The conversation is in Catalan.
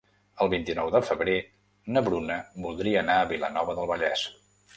El vint-i-nou de febrer na Bruna voldria anar a Vilanova del Vallès.